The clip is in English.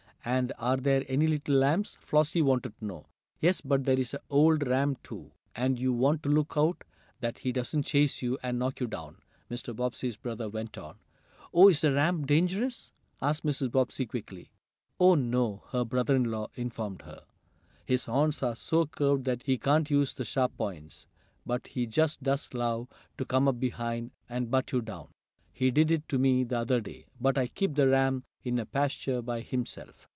"And are there any little lambs?" Flossie wanted to know. "Yes, but there's an old ram, too, and you want to look out that he doesn't chase you, and knock you down," Mr. Bobbsey's brother went on. "Oh, is the ram dangerous?" asked Mrs. Bobbsey, quickly. "Oh, no!" her brother in law informed her. "His horns are so curved that he can't use the sharp points, but he just does love to come up behind and butt you down. He did it to me the other day. But I keep the ram in a pasture by himself."